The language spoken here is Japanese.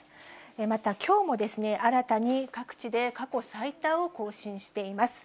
また、きょうも新たに各地で過去最多を更新しています。